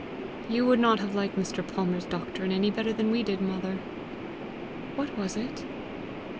"You would not have liked Mr. Palmer's doctrine any better than we did, mother." "What was it?"